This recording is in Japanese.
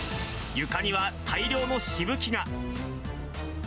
床には大量のしぶきが。